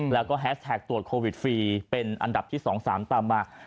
แล้วก็แฮสแท็กตรวจโควิดฟรีเป็นอันดับที่๒๓ตามมา